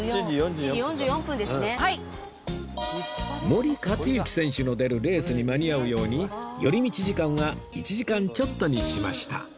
森且行選手の出るレースに間に合うように寄り道時間は１時間ちょっとにしました